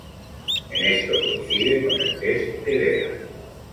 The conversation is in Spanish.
En esto coincide con el test de Lea.